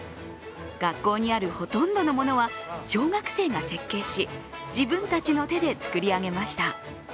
学校にあるほとんどのものは小学生が設計し自分たちの手で作り上げました。